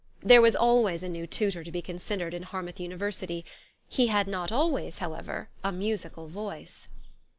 There was always a new tutor to be considered in Harmouth University : he had not always, however, a musical voice.